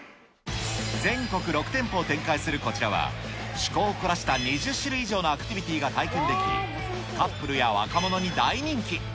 全国６店舗を展開するこちらは、趣向を凝らした２０種類以上のアクティビティーが体験でき、カップルや若者に大人気。